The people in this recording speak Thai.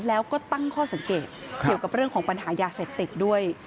แล้วก็ตั้งข้อสังเกตเกี่ยวกับเรื่องของปัญหายาเสพติดด้วย